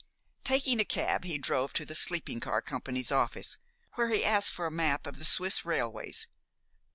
Taking a cab, he drove to the sleeping car company's office, where he asked for a map of the Swiss railways.